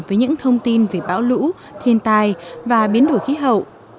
với những thông tin về bão lũ thiên tài và biến đổi khí hậu